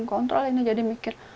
kontrol ini jadi mikir